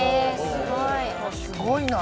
すごいな。